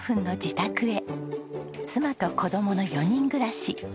妻と子供の４人暮らし。